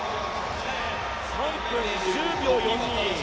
３分１０秒４２。